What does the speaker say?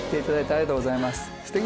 ありがとうございます。